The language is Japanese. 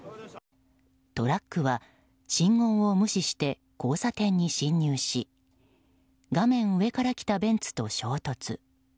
トラックは、信号を無視して交差点に進入し画面上から来たベンツと衝突。